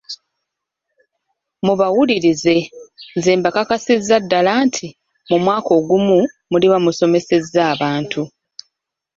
Mubawulirize, nze mbakakasiza ddala nti mu mwaka ogumu muliba musomesezza abantu.